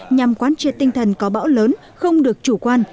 nhằm quán triệt tinh thần có bão lớn không được chủ quan